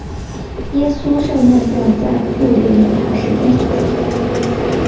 耶稣受难像在布列尼塔十分常见。